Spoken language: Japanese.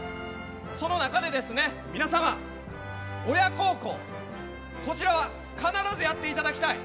その中で皆様、親孝行こちら、必ずやっていただきたい。